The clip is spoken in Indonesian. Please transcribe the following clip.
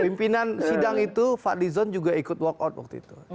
pemimpinan sidang itu fadlizon juga ikut walk out waktu itu